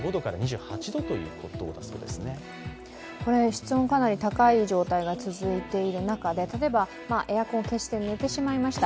室温、かなり高い状態が続いている中で例えば、エアコンを消して寝てしまいました。